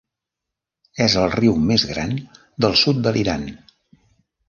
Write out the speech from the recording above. És el riu més gran del sud de l'Iran.